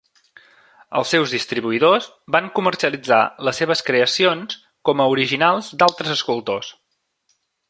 Els seus distribuïdors van comercialitzar les seves creacions com a originals d'altres escultors.